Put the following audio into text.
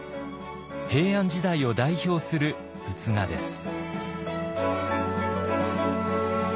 平安時代を代表する仏画です。